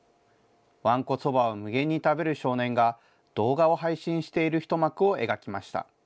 わんこそばを無限に食べる少年が、動画を配信している一幕を描きました。